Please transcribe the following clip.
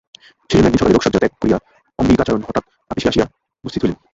সেইজন্য একদিন সকালে রোগশয্যা ত্যাগ করিয়া অম্বিকাচরণ হঠাৎ আপিসে আসিয়া উপস্থিত হইলেন।